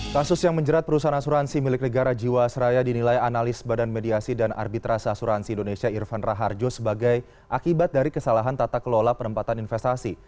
kasus yang menjerat perusahaan asuransi milik negara jiwasraya dinilai analis badan mediasi dan arbitrasi asuransi indonesia irfan raharjo sebagai akibat dari kesalahan tata kelola penempatan investasi